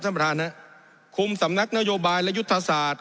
ประธานนะคุมสำนักนโยบายและยุทธศาสตร์